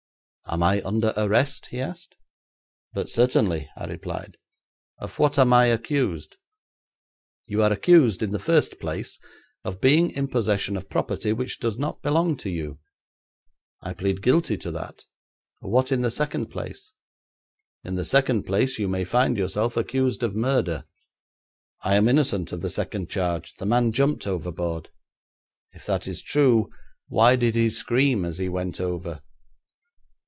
'Am I under arrest?' he asked. 'But certainly,' I replied. 'Of what am I accused?' 'You are accused, in the first place, of being in possession of property which does not belong to you.' 'I plead guilty to that. What in the second place?' 'In the second place, you may find yourself accused of murder.' 'I am innocent of the second charge. The man jumped overboard.' 'If that is true, why did he scream as he went over?'